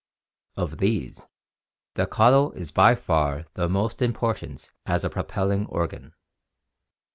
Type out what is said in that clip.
Of these the caudal is by far the most important as a propelling organ.